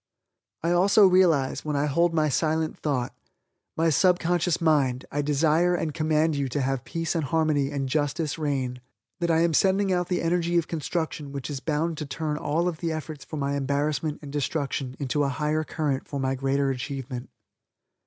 I also realize, when I hold my silent thought, "my subconscious mind I desire and command you to have peace and harmony and justice reign," that I am sending out the energy of construction which is bound to turn all of the efforts for my embarrassment and destruction into a higher current for my greater achievement.